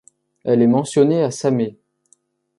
Elle est mentionnée à Samer.